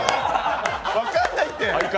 分かんないって！